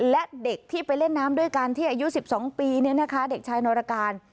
และเด็กที่ไปเล่นน้ำด้วยกันที่อายุ๑๒ปีเด็กชายนรการ